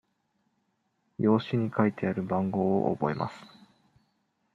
用紙に書いてある番号を覚えます。